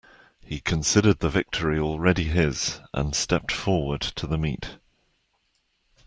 He considered the victory already his and stepped forward to the meat.